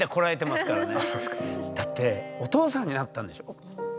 だってお父さんになったんでしょ。